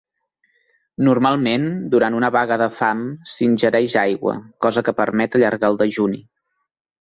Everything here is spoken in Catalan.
Normalment, durant una vaga de fam s'ingereix aigua, cosa que permet allargar el dejuni.